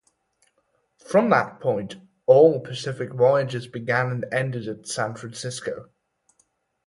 From that point all Pacific voyages began and ended at San Francisco.